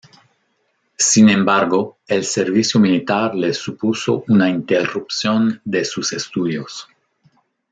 Sin embargo, el servicio militar le supuso una interrupción de sus estudios.